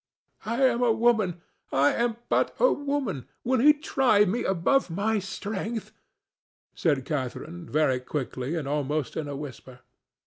"I am a woman—I am but a woman; will He try me above my strength?" said Catharine, very quickly and almost in a whisper.